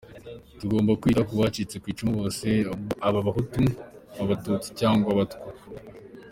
Tugomba kwita kubacitse kwicumu bose, aba abahutu, abatutsi cyangwa abatwa.